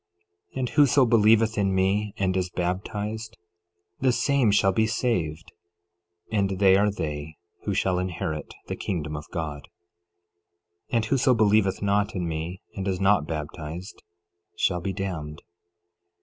11:33 And whoso believeth in me, and is baptized, the same shall be saved; and they are they who shall inherit the kingdom of God. 11:34 And whoso believeth not in me, and is not baptized, shall be damned.